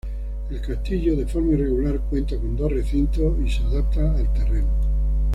El castillo, de forma irregular, cuenta con dos recintos y se adapta al terreno.